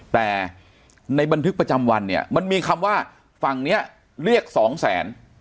แต่ในบันทึกประจำวันเนี่ยมันมีคำว่าฝั่งนี้เรียกสองแสน